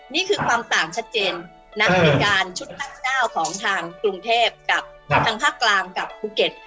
นี่คือความต่างชัดเจนนักบริการชุดตั้ง๙ของทางกรุงเทพกับทางภาคกลางกับภูเก็ต